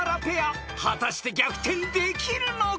［果たして逆転できるのか！？］